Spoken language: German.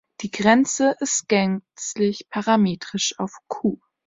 Die Grenze ist gänzlich parametrisch auf „q“.